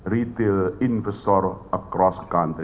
menjual investor di seluruh negara